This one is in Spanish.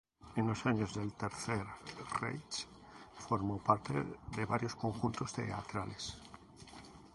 En los años del Tercer Reich formó parte de varios conjuntos teatrales.